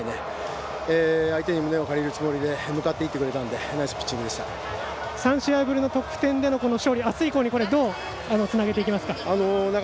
相手に胸を借りるつもりで向かっていってくれたので３試合ぶりでの得点での勝利あす以降にどうつなげていきますか？